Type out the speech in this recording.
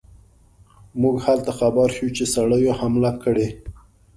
موږ هلته خبر شو چې سړیو حمله کړې.